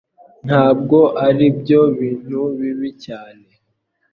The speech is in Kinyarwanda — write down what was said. Ntabwo aribyo bintu bibi cyane